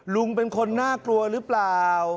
ลุงเป็นคนน่ากลัวหรือเปล่า